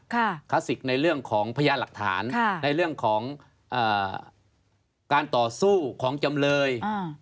คลาสสิกในเรื่องของพยานหลักฐานในเรื่องของการต่อสู้ของจำเลยอ่า